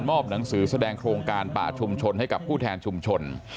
หนังสือแสดงโครงการป่าชุมชนให้กับผู้แทนชุมชน